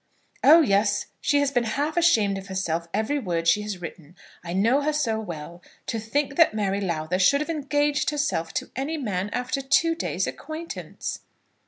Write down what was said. "Oh, yes; she has been half ashamed of herself every word she has written. I know her so well. To think that Mary Lowther should have engaged herself to any man after two days' acquaintance!"